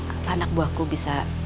apa anak buahku bisa